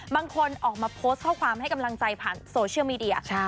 บางคนนำอ่อนข่าวข้อความให้กำลังใจผ่านสอเชียวเมดิเอา